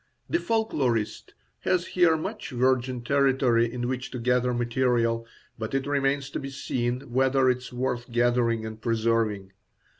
The folklorist has here much virgin territory in which to gather material, but it remains to be seen whether it is worth gathering and preserving.